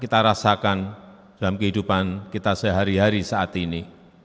kita rasakan dalam kehidupan kita sehari hari saat ini